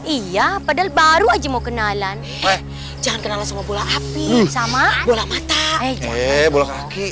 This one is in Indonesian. iya padahal baru aja mau kenalan jangan kenal sama bola api sama bola mata eh